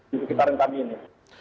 di sekitaran kami ini